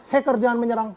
hacker jangan menyerang